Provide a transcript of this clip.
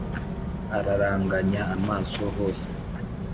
araranganya amaso hose